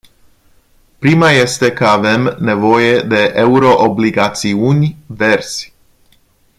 Prima este că avem nevoie de euro-obligațiuni verzi.